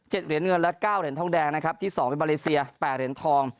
๗เหรียญเงินและ๙เหรียญทองแดงนะครับที่๒เป็นบาเลเซีย๘เหรียญทอง